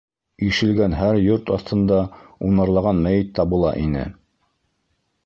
— Ишелгән һәр йорт аҫтында унарлаған мәйет табыла ине.